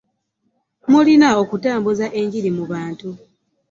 Mulina okutambuza enjiri mu abantu.